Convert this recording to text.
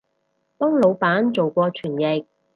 幫腦闆做過傳譯